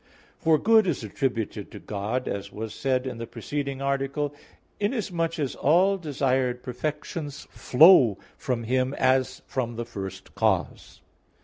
For good is attributed to God, as was said in the preceding article, inasmuch as all desired perfections flow from Him as from the first cause.